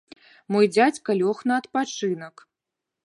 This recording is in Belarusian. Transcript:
Мой дзядзька лёг на адпачынак.